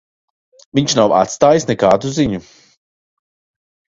Viņš nav atstājis nekādu ziņu.